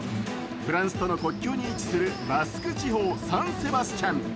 フランスとの国境に位置するバスク地方サンセバスチャン。